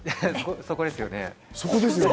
そこですよね。